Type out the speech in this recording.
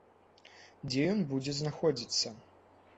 Дзе ён будзе знаходзіцца?